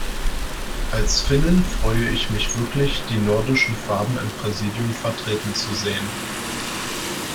Als Finnin freue ich mich wirklich, die nordischen Farben im Präsidium vertreten zu sehen.